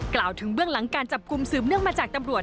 กล่าวถึงเบื้องหลังการจับกลุ่มสืบเนื่องมาจากตำรวจ